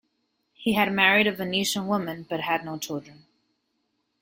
He had married a Venetian woman but had no children.